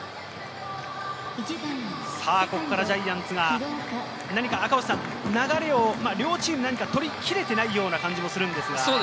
ここからジャイアンツが何か、流れを両チーム何か取きれていないような感じもするんですが。